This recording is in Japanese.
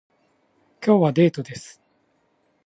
今日はデートです